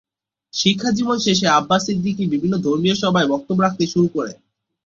শিক্ষা জীবন শেষে আব্বাস সিদ্দিকী বিভিন্ন ধর্মীয় সভায় বক্তব্য রাখতে শুরু করেন।